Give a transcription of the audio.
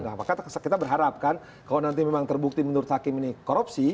nah maka kita berharap kan kalau nanti memang terbukti menurut hakim ini korupsi